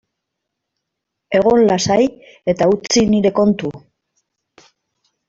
Egon lasai eta utzi nire kontu.